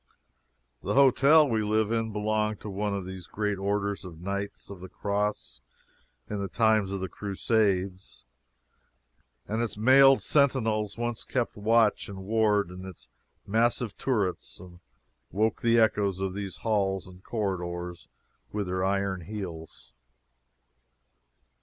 The hotel we live in belonged to one of those great orders of knights of the Cross in the times of the Crusades, and its mailed sentinels once kept watch and ward in its massive turrets and woke the echoes of these halls and corridors with their iron heels.